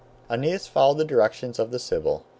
] Aeneas followed the directions of the Sibyl.